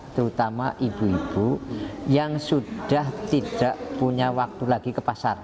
terutama ibu ibu yang sudah tidak punya waktu lagi ke pasar